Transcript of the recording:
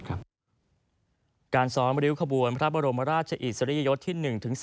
การสอนวิวขบวนพระบรมราชอีสรยยศที่๑๓